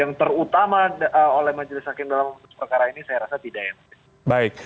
yang terutama oleh majelis hakim dalam perkara ini saya rasa tidak yang baik